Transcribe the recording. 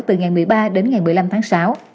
từ ngày một mươi ba đến ngày một mươi năm tháng sáu